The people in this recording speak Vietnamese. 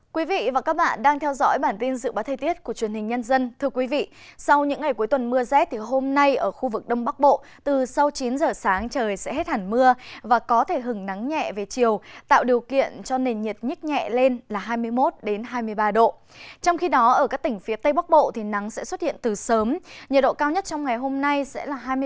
các bạn hãy đăng ký kênh để ủng hộ kênh của chúng mình nhé